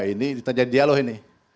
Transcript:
ini tajadialoh ini